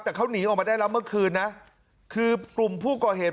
แต่เขาหนีออกมาได้แล้วเมื่อคืนนะคือกลุ่มผู้ก่อเหตุ